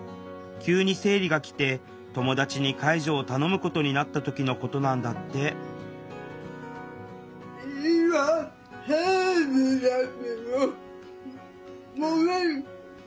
急に生理が来て友達に介助を頼むことになった時のことなんだってなるほど。